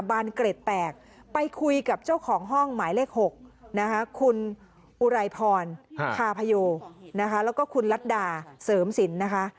บรรเกร็ดแตกไปคุยกับเจ้าของห้องหมายเลข๖คุณอุรัยพรคพแล้วก็คุณรัฏด่เสริมสินนะคะ